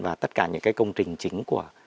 và tất cả những cái công trình chính của